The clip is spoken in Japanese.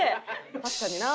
「確かになあ」？